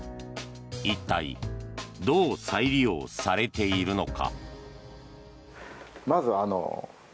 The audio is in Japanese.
一体どう再利用されているのか。